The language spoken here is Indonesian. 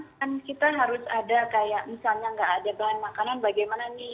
kan kita harus ada kayak misalnya nggak ada bahan makanan bagaimana nih